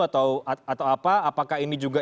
atau apa apakah ini juga